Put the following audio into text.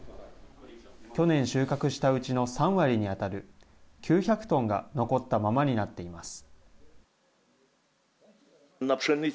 去年収穫したうちの３割に当たる９００トンが残ったままになっています。